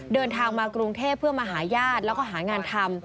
เดินทางมากรุงเทพเพื่อมาหาญาติแล้วก็หางานทำ